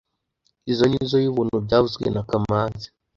Izoi nizoo yubuntu byavuzwe na kamanzi